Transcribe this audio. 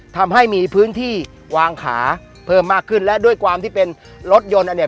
ทำให้มีพื้นที่วางขาเพิ่มมากขึ้นและด้วยความที่เป็นรถยนต์อันนี้